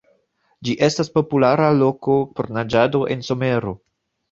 Ĝi estas populara loko por naĝado en somero.